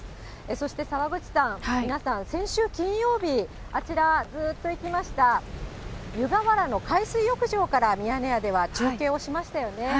そして澤口さん、皆さん、先週金曜日、あちら、ずっと行きました、湯河原の海水浴場からミヤネ屋では中継をしましたよね。